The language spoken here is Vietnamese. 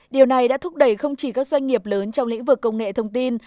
điều này đã thúc đẩy không chỉ các doanh nghiệp lớn trong lĩnh vực công nghệ thông tin